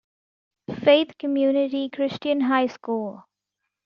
Faith Community Christian High School.